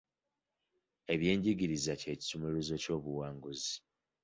Eby'enjigiriza kye kisumuluzo ky'obuwanguzi.